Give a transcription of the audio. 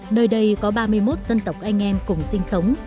nơi đây có ba mươi một dân tộc anh em cùng sinh sống